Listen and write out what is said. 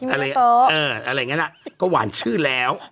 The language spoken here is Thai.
อะไรอย่างนี้นะก็หวานชื่อแล้ว